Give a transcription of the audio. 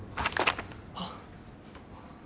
あっ。